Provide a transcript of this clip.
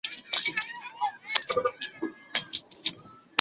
让人心里留下恐惧的阴影